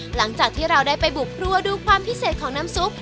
หลังจากที่เราได้ไปบุกครัวดูความพิเศษของน้ำซุป